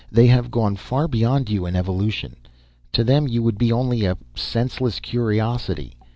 They have gone far beyond you in evolution. To them you would be only a senseless curiosity.